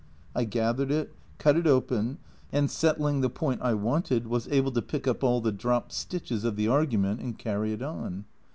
I gathered it, cut it open, and settling the point I wanted, was able to pick up all the dropped stitches of the argument and carry it on.